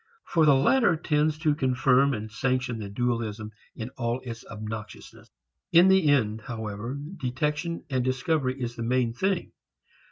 For the latter tends to confirm and sanction the dualism in all its obnoxiousness. In the end, however, detection, discovery, is the main thing.